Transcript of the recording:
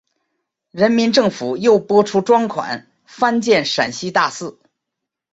人民政府又拨出专款翻建陕西大寺。